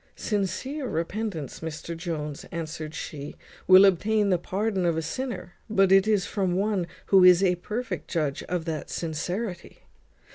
"Sincere repentance, Mr Jones," answered she, "will obtain the pardon of a sinner, but it is from one who is a perfect judge of that sincerity.